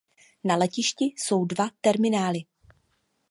Na letišti jsou dva terminály.